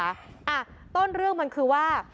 อ่ะต้นเรื่องมันคือว่า